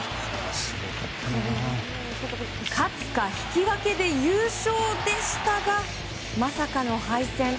勝つか引き分けで優勝でしたがまさかの敗戦。